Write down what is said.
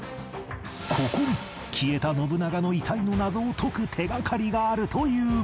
ここに消えた信長の遺体の謎を解く手がかりがあるという